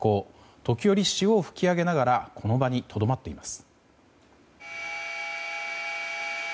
時折、潮を吹き上げながらこの場にとどまっています。